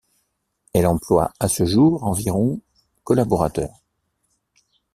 Elle emploie à ce jour environ collaborateurs.